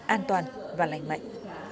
an toàn và lành mạnh